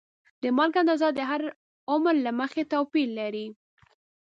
د مالګې اندازه د هر عمر له مخې توپیر لري.